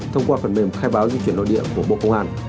thông qua phần mềm khai báo di chuyển nội địa của bộ công an